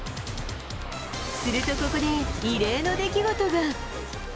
するとここで、異例の出来事が。